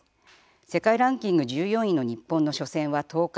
世界ランキング１４位の日本の初戦は１０日。